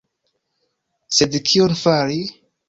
Sed kion fari?!